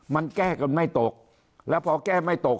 มันแก้กันไม่ตกแล้วพอแก้ไม่ตก